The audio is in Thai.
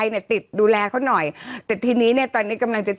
ได้เต็มที่เท่านี้